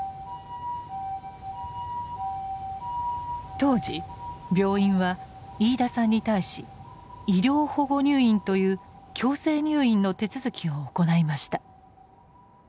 当時病院は飯田さんに対し「医療保護入院」という強制入院の手続きを行いました。